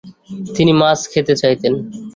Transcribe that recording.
তিনি মাছ খেতে চাইতেন।